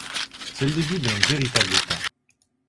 C'est le début d'un véritable État.